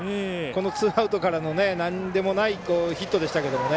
ツーアウトからのなんでもないヒットでしたけどね。